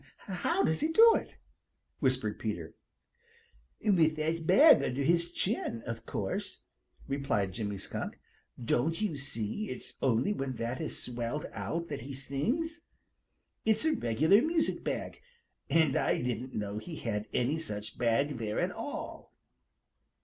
"How does he do it?" whispered Peter. "With that bag under his chin, of course," replied Jimmy Skunk. "Don't you see it's only when that is swelled out that he sings? It's a regular music bag. And I didn't know he had any such bag there at all."